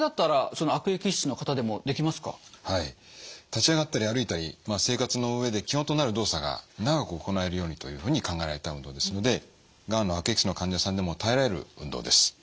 立ち上がったり歩いたり生活の上で基本となる動作が長く行えるようにというふうに考えられた運動ですのでがん悪液質の患者さんでも耐えられる運動です。